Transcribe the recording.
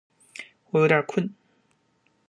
我有点困